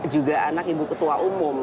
juga anak ibu ketua umum